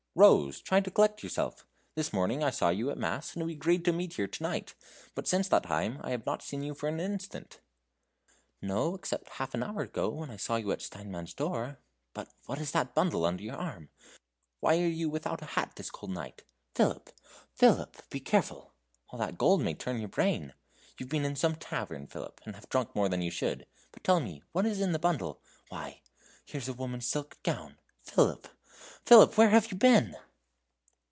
"Rose try to recollect yourself. This morning I saw you at mass, and we agreed to meet here to night, but since that time I have not seen you for an instant." "No, except half an hour ago, when I saw you at Steinman's door. But what is that bundle under your arm? why are you without a hat this cold night? Philip! Philip! be careful. All that gold may turn your brain. You've been in some tavern, Philip, and have drunk more than you should. But tell me, what is in the bundle? Why here's a woman's silk gown. Philip, Philip, where have you been?"